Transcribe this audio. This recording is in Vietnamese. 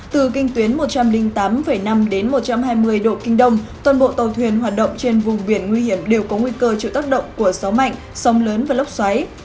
từ kinh tuyến một trăm linh tám năm đến một trăm hai mươi độ kinh đông toàn bộ tàu thuyền hoạt động trên vùng biển nguy hiểm đều có nguy cơ chịu tác động của gió mạnh sông lớn và lốc xoáy